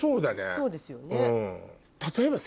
そうですよね。